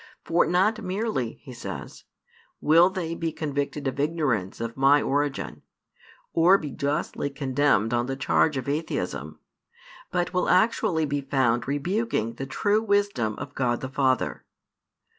For not merely, He says, will they be convicted of ignorance of My origin, or be justly condemned on he charge of atheism, but will actually be found rebuking the true wisdom of God the Father.